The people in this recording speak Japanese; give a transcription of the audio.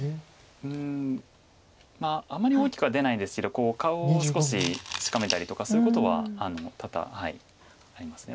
うんあまり大きくは出ないんですけど顔を少ししかめたりとかそういうことは多々あります。